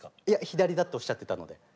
いや左だっておっしゃってたので。